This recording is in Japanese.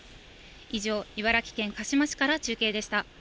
以上、茨城県鹿嶋市から中継でした。